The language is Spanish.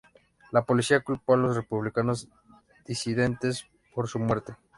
La policía culpó a los republicanos disidentes por su muerte.